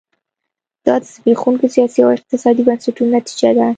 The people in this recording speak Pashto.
دا د زبېښونکو سیاسي او اقتصادي بنسټونو نتیجه ده.